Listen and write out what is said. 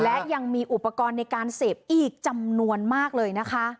และยังมีอุปกรณ์ในการเสพอีกจำนวนมากเลยนะคะ